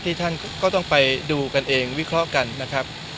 ท่านก็ต้องไปดูกันเองวิเคราะห์กันนะครับ